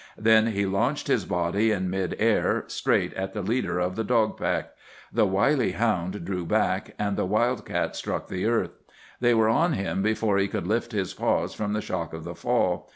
Then he launched his body in mid air, straight at the leader of the dog pack. The wily hound drew back, and the wild cat struck the earth. They were on him before he could lift his paws from the shock of the fall.